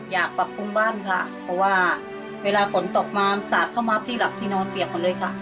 อยากปรับปรุงบ้านค่ะเพราะว่าเวลาฝนตกมาสาดเข้ามาที่หลับที่นอนเปียกหมดเลยค่ะ